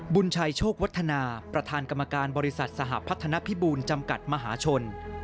บุญชัยโชควัฒนาประธานกรรมการบริษัทสหพัฒนภิบูลจำกัดมหาชน